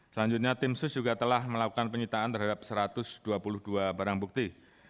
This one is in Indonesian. selanjutnya tim sus juga telah melakukan penyitaan terhadap satu ratus dua puluh dua barang bukti